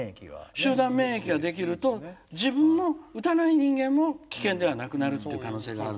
集団免疫ができると自分も打たない人間も危険ではなくなるって可能性があるのでね。